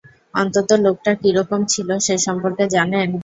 অন্তত লোকটা কীরকম ছিল সেসম্পর্কে জানেন?